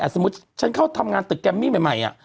สมมุติฉันเข้าทำงานตึกแกมมี่ใหม่